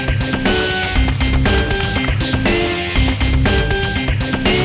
kayak yang belum makeup aja